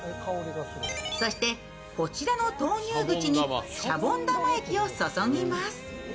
そして、こちらの投入口にシャボン玉液を注ぎます。